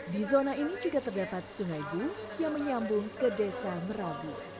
di zona ini juga terdapat sungai bung yang menyambung ke desa merabu